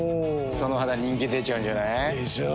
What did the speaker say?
その肌人気出ちゃうんじゃない？でしょう。